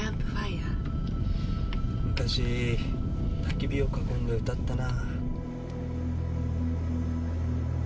昔たき火を囲んで歌ったな。